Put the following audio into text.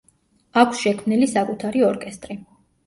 აქვს შექმნილი საკუთარი ორკესტრი.